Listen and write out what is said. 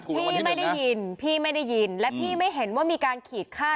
พี่ไม่ได้ยินพี่ไม่ได้ยินและพี่ไม่เห็นว่ามีการขีดค่า